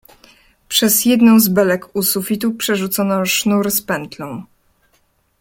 "Przez jedną z belek u sufitu przerzucono sznur z pętlą."